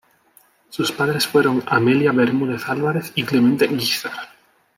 Sus padres fueron Amelia Bermúdez Álvarez y Clemente Guízar.